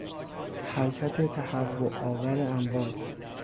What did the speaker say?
حرکت تهوعآور امواج